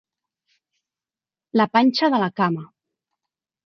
La panxa de la cama.